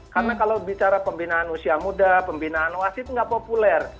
karena kalau bicara pembinaan usia muda pembinaan wasit itu tidak populer